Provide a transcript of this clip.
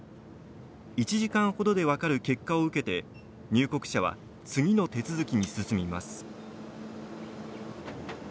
１時間ほどで分かる結果を受けて入国者は次の手続きに進みます。